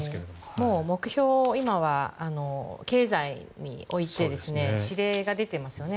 もう目標を今は経済に置いて指令が出ていますよね。